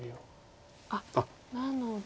あっなので。